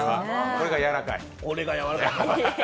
これがやわらかいです。